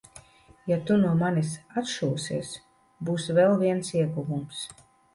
Ja tu no manis atšūsies, būs vēl viens ieguvums.